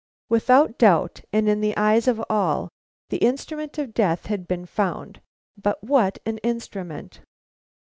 Without doubt, and in the eyes of all, the instrument of death had been found. But what an instrument!